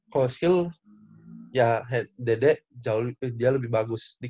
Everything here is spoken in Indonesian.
kalau skill ya dede jauh dia lebih bagus